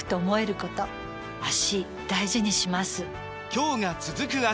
今日が、続く脚。